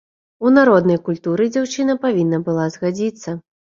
У народнай культуры дзяўчына павінна была згадзіцца.